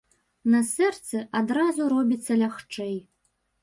На сэрцы адразу робіцца лягчэй.